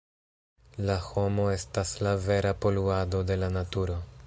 La homo estas la vera poluado de la naturo!